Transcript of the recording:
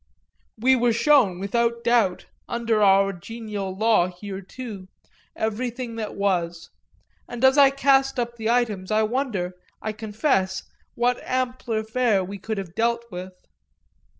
We were shown without doubt, under our genial law here too, everything there was, and as I cast up the items I wonder, I confess, what ampler fare we could have dealt with.